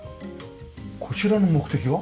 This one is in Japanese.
こちらの目的は？